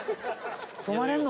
泊まれんの？